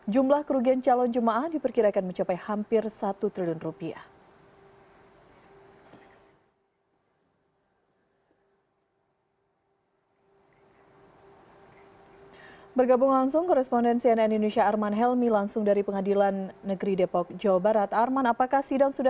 jumlah kerugian calon jemaah diperkirakan mencapai hampir satu triliun rupiah